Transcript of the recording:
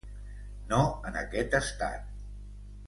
No en aquest estat.